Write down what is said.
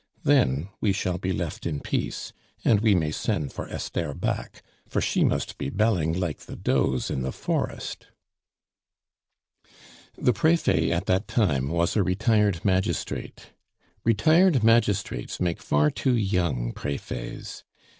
Then we shall be left in peace, and we may send for Esther back, for she must be belling like the does in the forest." The Prefet at that time was a retired magistrate. Retired magistrates make far too young Prefets.